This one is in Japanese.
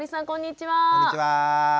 こんにちは。